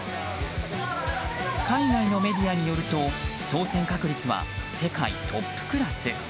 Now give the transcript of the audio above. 海外のメディアによると当せん確率は世界トップクラス。